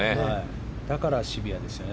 だからシビアですよね。